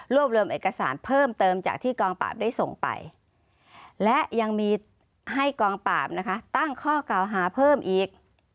รวมเอกสารเพิ่มเติมจากที่กองปราบได้ส่งไปและยังมีให้กองปราบนะคะตั้งข้อเก่าหาเพิ่มอีก